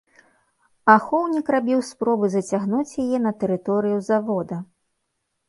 Ахоўнік рабіў спробы зацягнуць яе на тэрыторыю завода.